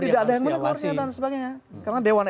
hal hal seperti ini tidak ada yang menegurnya dan sebagainya